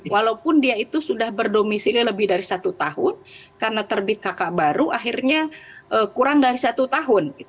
walaupun dia itu sudah berdomisili lebih dari satu tahun karena terbit kakak baru akhirnya kurang dari satu tahun